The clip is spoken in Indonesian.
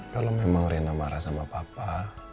kalau memang rena marah sama papa